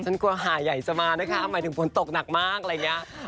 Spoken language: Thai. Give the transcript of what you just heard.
กลัวหาใหญ่จะมานะคะหมายถึงฝนตกหนักมากอะไรอย่างนี้